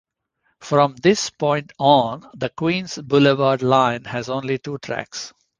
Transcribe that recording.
From this point on, the Queens Boulevard Line has only two tracks.